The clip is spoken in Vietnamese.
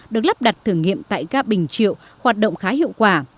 được lắp đặt thử nghiệm tại ga bình triệu hoạt động khá hiệu quả